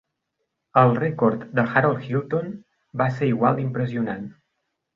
El rècord de Harold Hilton va ser igual d'impressionant.